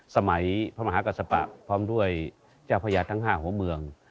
สมัยพมหากษรรพะพร้อมด้วยเจ้าพญาติทั้ง๕หัวเมือง